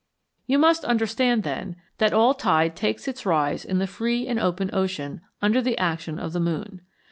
You must understand, then, that all tide takes its rise in the free and open ocean under the action of the moon.